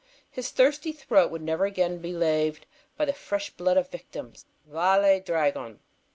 His thirsty throat would never again be laved by the fresh blood of victims. Vale dragon!